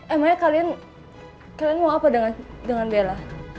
emangnya kalian mau apa dengan bella